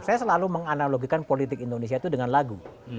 saya selalu menganalogikan politik indonesia itu dengan lagu